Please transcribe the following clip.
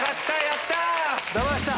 やった！